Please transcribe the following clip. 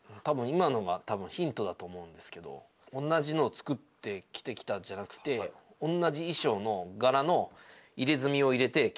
今のが多分ヒントだと思うんですけど同じのを作って着てきたんじゃなくて同じ衣装の柄の入れ墨を入れてきた。